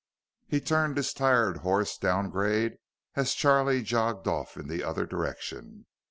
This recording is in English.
He turned his tired horse down grade as Charlie jogged off in the other direction.